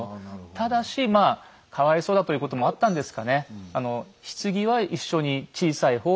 ただしまあかわいそうだということもあったんですかね